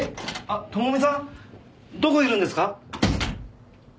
朋美さんどこいるんですか？